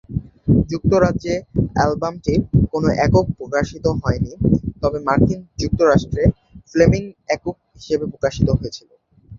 যুক্তরাজ্যে, অ্যালবামটির কোনও একক প্রকাশিত হয়নি, তবে মার্কিন যুক্তরাষ্ট্রে, "ফ্লেমিং" একক হিসাবে প্রকাশিত হয়েছিল।